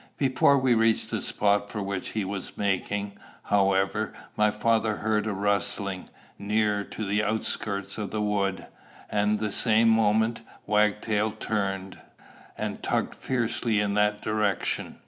Before we reached the spot for which he was making, however, my father heard a rustling, nearer to the outskirts of the wood, and the same moment Wagtail turned, and tugged fiercely in that direction.